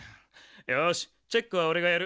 よしチェックはおれがやる。